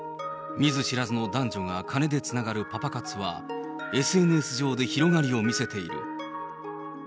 見ず知らずの男女が金でつながるパパ活は、ＳＮＳ上で広がりを見せている。